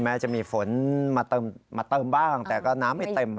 แม้จะมีฝนมาเติมบ้างแต่ก็น้ำไม่เต็ม